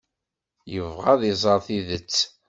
Yebɣa ad iẓer tidet.